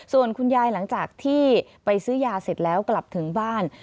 ส่วนคุณยายหลังจากที่ไปซื้อยาเสร็จแล้วกลับถึงบ้าน